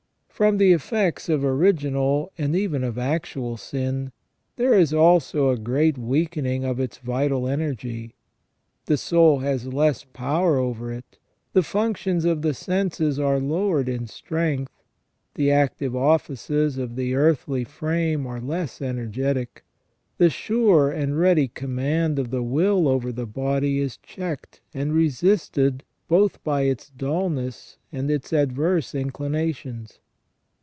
From the effects of original and even of actual sin, there is also a great weakening of its vital energy; the soul has less power over it; the functions of the senses are lowered in strength, the active offices of the earthly frame are less energetic, the sure and ready command of the will over the body is checked and resisted both by its dulness and its adverse inclinations.